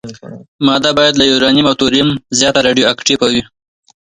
ماده باید له یورانیم او توریم زیاته راډیواکټیفه وي.